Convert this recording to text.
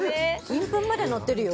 金粉までのってるよ